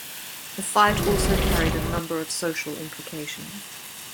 The fight also carried a number of social implications.